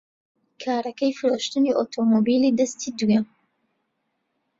کارەکەی فرۆشتنی ئۆتۆمۆبیلی دەستی دوویە.